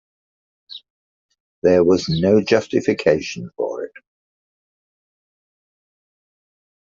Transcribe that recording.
There was no justification for it.